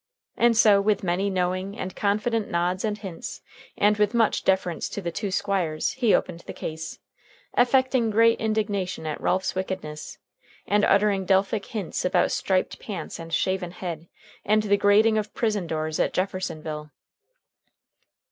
And so, with many knowing and confident nods and hints, and with much deference to the two squires, he opened the case, affecting great indignation at Ralph's wickedness, and uttering Delphic hints about striped pants and shaven head, and the grating of prison doors at Jeffersonville.